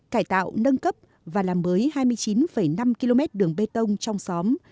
cải tạo nâng cấp và làm mới hai mươi chín năm km đường bê tông trong xóm